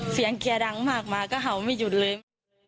เสียงเกลียดังมากมากก็หาวไม่หยุดเลย